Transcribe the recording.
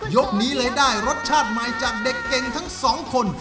ยกนี้เลยได้รสชาติใหม่จากเด็กเก่งทั้งสองคน